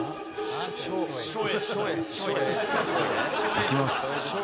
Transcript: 「いきます」